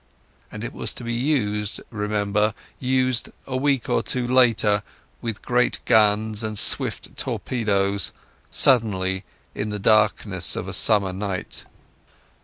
And it was to be used, remember—used a week or two later, with great guns and swift torpedoes, suddenly in the darkness of a summer night.